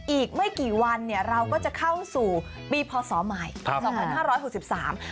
อีกไม่กี่วันเนี่ยเราก็จะเข้าสู่ปีพศใหม่๒๕๖๓